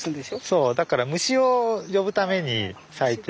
そうだから虫を呼ぶために咲いてる。